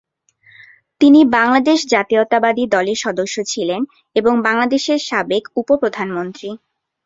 তিনি বাংলাদেশ জাতীয়তাবাদী দলের সদস্য ছিলেন এবং বাংলাদেশের সাবেক উপ-প্রধানমন্ত্রী।